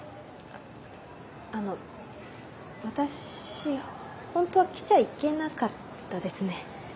あの私ホントは来ちゃいけなかったですね。